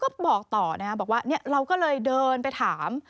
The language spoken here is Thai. ก็บอกต่อนะครับบอกว่าเราก็เลยเดินไปถาม